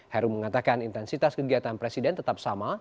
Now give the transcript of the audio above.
heru mengatakan intensitas kegiatan presiden tetap sama